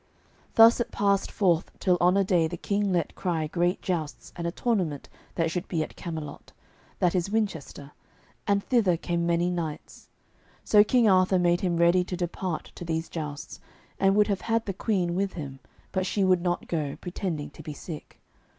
Thus it passed forth till on a day the King let cry great jousts and a tournament that should be at Camelot, that is Winchester, and thither came many knights. So King Arthur made him ready to depart to these jousts, and would have had the Queen with him, but she would not go, pretending to be sick.